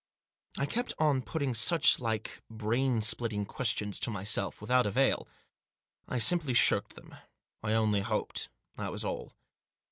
I kept on putting such like brain splitting questions to myself. Without avail. I simply shirked them. I only hoped. That was all.